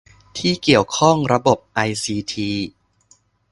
ที่เกี่ยวข้องระบบไอซีที